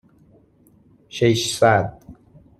ششصد